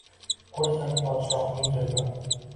Qursin podshoning zulmi.